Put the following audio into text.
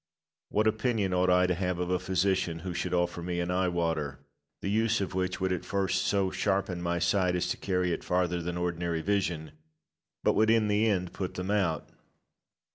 What opinion ought I to have of a physician who should offer me an eye water, the use of which would at first so sharpen my sight as to carry it farther than ordinary vision, but would in the end put them out?